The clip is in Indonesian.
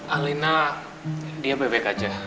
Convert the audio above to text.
alina dia bebek aja